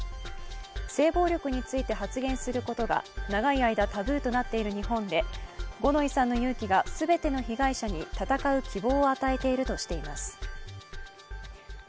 性暴力について発言することが長い間タブーとなっている日本で五ノ井さんの勇気が全ての被害者に戦う希望を与えているとしています。